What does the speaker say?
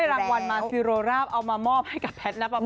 คือได้พ่อยรางวัลมาฟิโรลราฟเอามามอบให้กับแพทย์นักประพันธ์